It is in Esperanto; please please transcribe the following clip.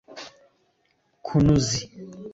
kunuzi